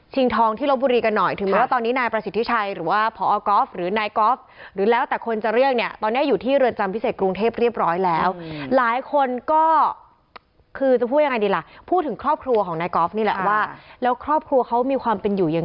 ชิงทองที่ลมบุรีกันหน่อยถึงไม่ว่าตอนนี้นายประสิทธิ์ชัย